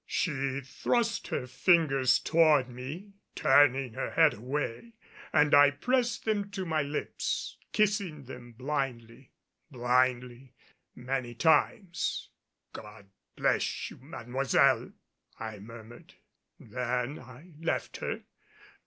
She thrust her fingers toward me, turning her head away; and I pressed them to my lips, kissing them blindly blindly many times. "God bless you, Mademoiselle!" I murmured. Then I left her.